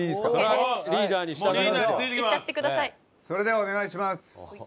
それではお願いします。